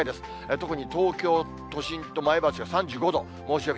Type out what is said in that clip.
特に東京都心と前橋が３５度、猛暑日。